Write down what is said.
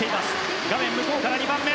画面向こうから２番目。